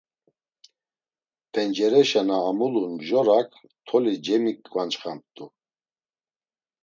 Pencereşa na amulun mjorak toli cemiǩvançxamt̆u.